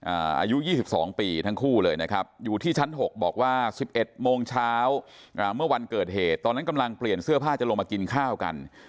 อ่าอายุยี่สิบสองปีทั้งคู่เลยนะครับอยู่ที่ชั้นหกบอกว่าสิบเอ็ดโมงเช้า